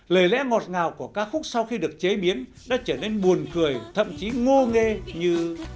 lời lẽ ngọt ngào của ca khúc sau khi được chế biến đã trở nên buồn cười thậm chí ngô nghe như